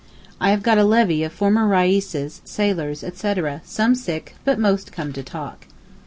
I have got a levee of former reis's, sailors, etc. some sick—but most come to talk.